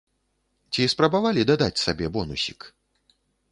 Ці спрабавалі дадаць сабе бонусік?